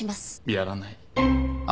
やらない。